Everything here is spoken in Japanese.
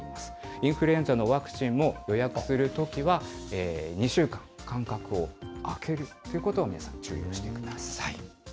インフルエンザのワクチンも、予約するときは、２週間間隔を空けるということを皆さん、注意をしてください。